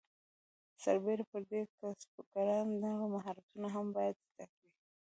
سربیره پر دې کسبګران نور مهارتونه هم باید زده کړي.